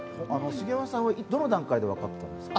杉山さんはどの段階で分かったんですか？